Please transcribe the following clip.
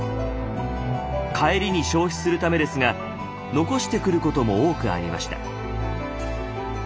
帰りに消費するためですが残してくることも多くありました。